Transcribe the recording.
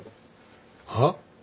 はっ？